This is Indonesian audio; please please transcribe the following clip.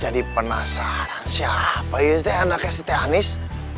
jadi penasaran siapa ini teh anaknya si teh anis